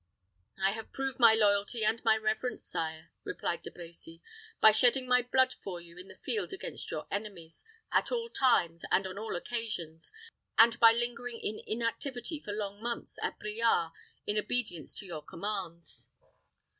"I have proved my loyalty and my reverence, sire," replied De Brecy, "by shedding my blood for you in the field against your enemies, at all times, and on all occasions, and by lingering in inactivity for long months at Briare in obedience to your commands."